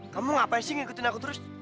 kamu ngapain sih ngikutin aku terus